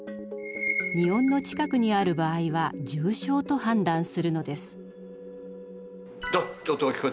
Ⅱ音の近くにある場合は重症と判断するのです。